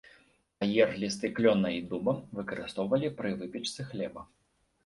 Аер, лісты клёна і дуба выкарыстоўвалі пры выпечцы хлеба.